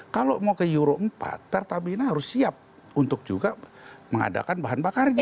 kalau mau ke euro empat pertamina harus siap untuk juga mengadakan bahan bakarnya